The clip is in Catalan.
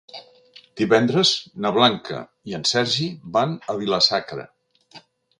Divendres na Blanca i en Sergi van a Vila-sacra.